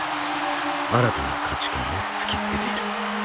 新たな価値観を突きつけている。